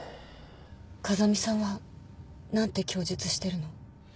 風見さんは何て供述してるの？